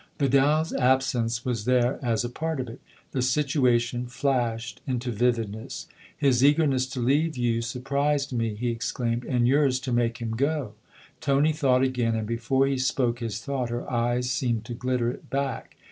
Vidal's absence was there as a part of it : the situa tion flashed into vividness. " His eagerness to leave you surprised me," he exclaimed, " and yours to make him go !" Tony thought again, and before he spoke his thought her eyes seemed to glitter it back.